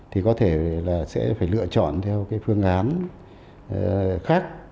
thì có thể là sẽ phải lựa chọn theo cái phương án khác